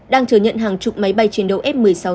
đang chờ nhận hàng chục máy bay chiến đấu f một mươi sáu